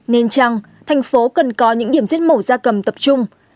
nên chăng thành phố cần có những điểm giết mổ da cầm tập trung